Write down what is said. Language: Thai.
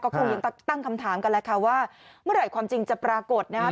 คงยังตั้งคำถามกันแหละค่ะว่าเมื่อไหร่ความจริงจะปรากฏนะครับ